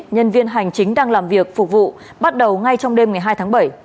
nhân viên hành chính đang làm việc phục vụ bắt đầu ngay trong đêm ngày hai tháng bảy